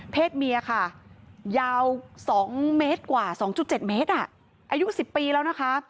เมียค่ะยาว๒เมตรกว่า๒๗เมตรอายุ๑๐ปีแล้วนะคะ